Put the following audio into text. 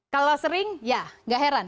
kalau sering ya nggak heran